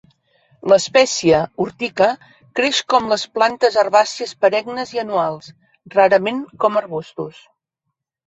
L'espècie "urtica" creix com les plantes herbàcies perennes i anuals, rarament com arbustos.